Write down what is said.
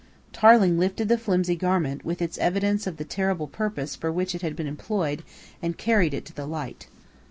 Tarling lifted the flimsy garment, with its evidence of the terrible purpose for which it had been employed, and carried it to the light.